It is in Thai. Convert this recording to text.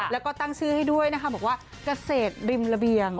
แล้วก็ตั้งชื่อให้ด้วยนะคะบอกว่าเกษตรริมระเบียง